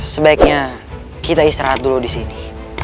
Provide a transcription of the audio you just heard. sebaiknya kita istirahat dulu disini